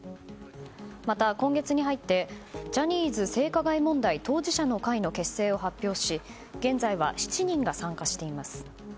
また、今月に入ってジャニーズ性加害問題当事者の会の結成を発表し現在は７人が参加しています。